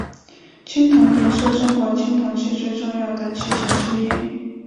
青铜鼎是中国青铜器最重要的器形之一。